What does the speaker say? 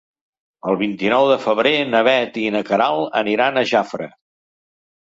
El vint-i-nou de febrer na Bet i na Queralt aniran a Jafre.